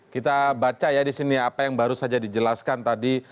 kita baca ya di sini apa yang baru saja dijelaskan tadi